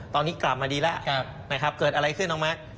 ตอนนี้กลับมาดีแล้วนะครับเกิดอะไรขึ้นน้องมาร์ค